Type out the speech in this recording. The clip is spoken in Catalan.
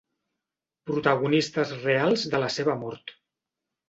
Protagonistes reals de la seva mort.